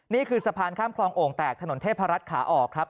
นี่คือสะพานข้ามคลองโอ่งแตกถนนเทพรัฐขาออกครับ